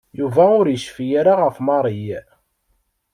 Yuba ur yecfi ara ɣef Mary.